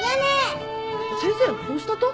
先生どうしたと？